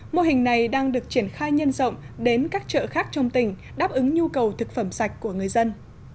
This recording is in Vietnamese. mô hình này đang được triển khai nhân rộng đến các chợ khác trong tỉnh đáp ứng nhu cầu thực phẩm sạch của người dân